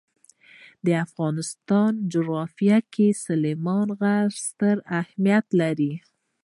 د افغانستان جغرافیه کې سلیمان غر ستر اهمیت لري.